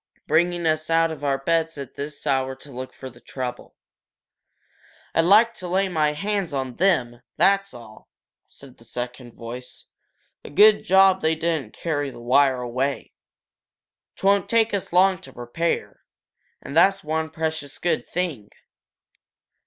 Bringing us out of our beds at this hour to look for trouble!" "I'd like to lay my hands on them, that's all!" said the second voice. "A good job they didn't carry the wire away 'twon't take us long to repair, and that's one precious good thing!"